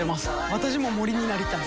私も森になりたい。